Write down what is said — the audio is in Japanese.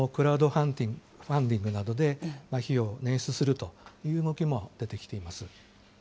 最近はやりのクラウドファンディングなどで費用を捻出するという動きも出てきています。